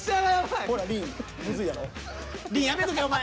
りんやめとけお前。